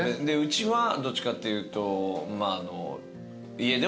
でうちはどっちかっていうと。